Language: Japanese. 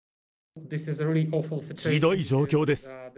ひどい状況です。